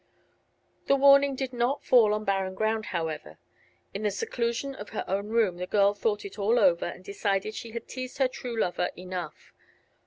The warning did not fall on barren ground, however. In the seclusion of her own room the girl thought it all over and decided she had teased her true lover enough.